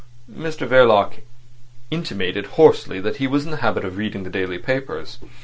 Mr Verloc intimated hoarsely that he was in the habit of reading the daily papers.